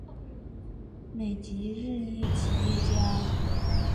美籍日裔企业家。